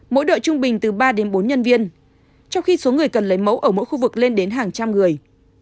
mỗi đội trung bình từ ba đến bốn nhân viên trong khi số người cần lấy mẫu ở mỗi khu vực lên đến hàng trăm người